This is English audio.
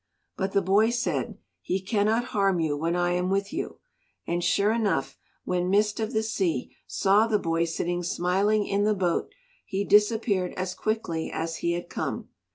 But the boy said, "He cannot harm you when I am with you." And sure enough, when Mist of the Sea saw the boy sitting smiling in the boat he disappeared as quickly as he had come.